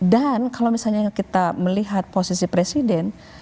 dan kalau misalnya kita melihat posisi presiden